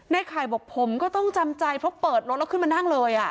ข่ายบอกผมก็ต้องจำใจเพราะเปิดรถแล้วขึ้นมานั่งเลย